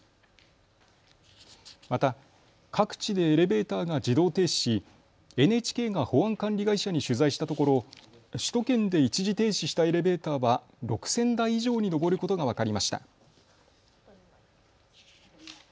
また各地でエレベーターが自動停止しＮＨＫが保安管理会社に取材したところ首都圏で一時停止したエレベーターは６０００台以上に上ることが分かりました。